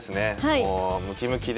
もうムキムキで。